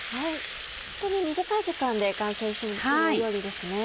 ホントに短い時間で完成する料理ですね。